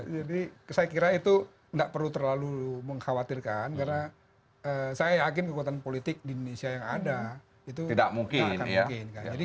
jadi saya kira itu nggak perlu terlalu mengkhawatirkan karena saya yakin kekuatan politik di indonesia yang ada itu nggak akan mungkin